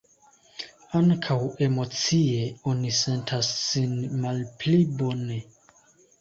Ankaŭ emocie oni sentas sin malpli bone.